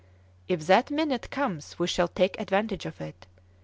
"If that minute comes we shall take advantage of it.